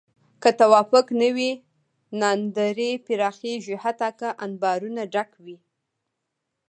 که توافق نه وي، ناندرۍ پراخېږي حتی که انبارونه ډک وي.